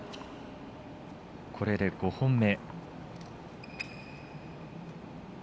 これで５本目。